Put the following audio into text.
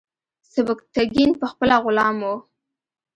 سبکتیګن پخپله غلام و.